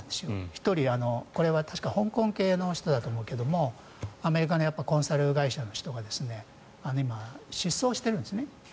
１人、これは確か香港系の人だと思うけどアメリカのコンサル会社の人が今、失踪してるんです。